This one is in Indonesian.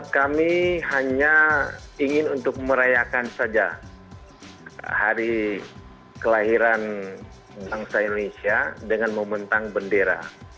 kami hanya ingin untuk merayakan saja hari kelahiran bangsa indonesia dengan membentang bendera